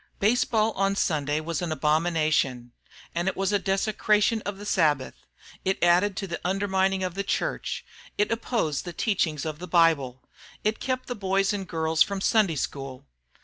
Baseball on Sunday was an abomination, it was a desecration of the Sabbath, it added to the undermining of the church, it opposed the teachings of the Bible, it kept the boys and girls from Sunday school.